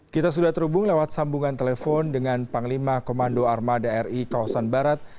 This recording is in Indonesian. kita sudah terhubung lewat sambungan telepon dengan panglima komando armada ri kawasan barat